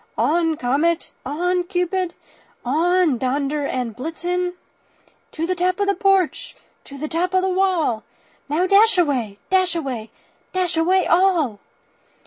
On, Comet! on, Cupid, on, Donder and Blitzen! To the top of the porch, to the top of the wall! Now dash away, dash away, dash away all!"